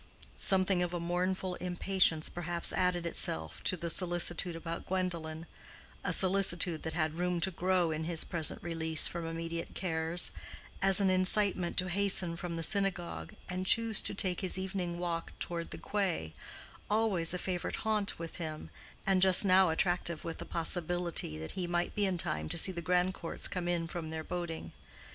Something of a mournful impatience perhaps added itself to the solicitude about Gwendolen (a solicitude that had room to grow in his present release from immediate cares) as an incitement to hasten from the synagogue and choose to take his evening walk toward the quay, always a favorite haunt with him, and just now attractive with the possibility that he might be in time to see the Grandcourts come in from their boating.